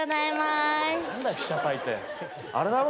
あれだろ？